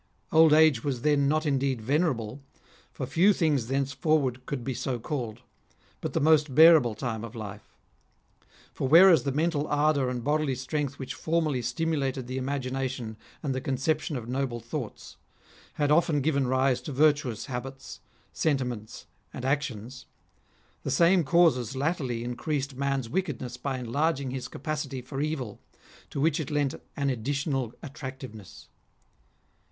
Old age was then not indeed venerable, for few things thence forward could be so called, but the most bearable time of life. For whereas the mental ardour and bodily strength which formerly stimulated the imagination and the con ception of noble thoughts, had often given rise to virtuous habits, sentiments, and actions ; the same causes latterly increased man's wickedness by enlarging his capacity for evil, to which it lent an additional attractiveness.